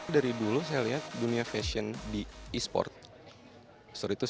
dari dulu saya lihat dunia fashion di esport